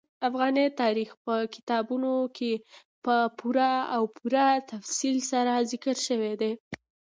افغاني تاریخ په کتابونو کې په پوره او پوره تفصیل سره ذکر شوی دي.